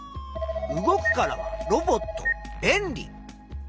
「動く」からは「ロボット」「べんり」。